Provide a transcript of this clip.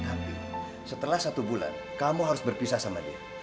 hati setelah satu bulan kamu harus berpisah sama dia